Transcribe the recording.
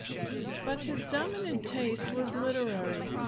But his dominant taste was literary.